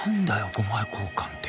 ５枚交換って